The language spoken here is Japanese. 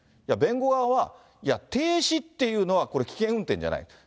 いや、弁護側は、いや、停止っていうのは危険運転じゃない。